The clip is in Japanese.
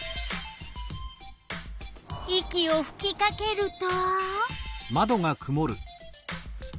息をふきかけると？